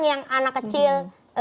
yang anak kecil